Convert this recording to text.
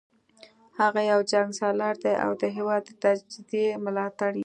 هغه یو جنګسالار دی او د هیواد د تجزیې ملاتړی